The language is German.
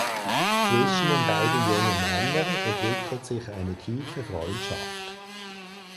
Zwischen den beiden jungen Männern entwickelt sich eine tiefe Freundschaft.